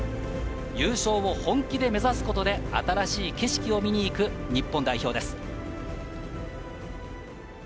優勝を本気で目指すことで新しい景色を見に行く日本代表です。